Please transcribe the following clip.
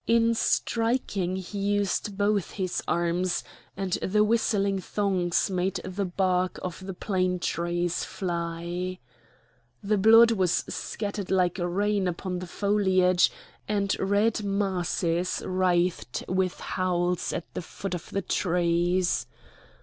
In striking he used both his arms, and the whistling thongs made the bark of the plane trees fly. The blood was scattered like rain upon the foliage, and red masses writhed with howls at the foot of the trees.